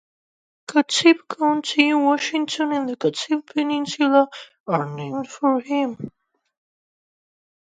Kitsap County, Washington and the Kitsap Peninsula are named for him.